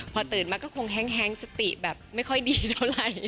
พอตื่นมาก็คงแห้งสติแบบไม่ค่อยดีเท่าไหร่